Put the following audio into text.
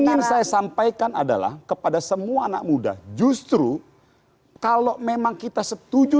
ingin saya sampaikan adalah kepada semua anak muda justru kalau memang kita setuju